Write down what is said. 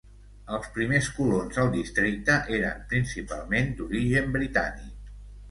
Els primers colons al districte eren principalment d'origen britànic.